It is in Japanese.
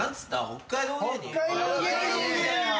・北海道芸人！